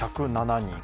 １０７人